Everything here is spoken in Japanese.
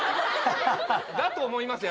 「だと思います」